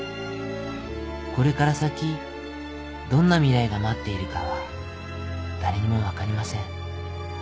これから先どんな未来が待っているかは誰にも分かりません。